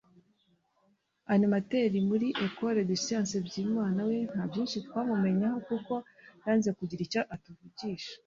Animateur muri Ecole des Science Byimana we nta byinshi twamumenyeho kuko yanze kugira icyo atuvugisha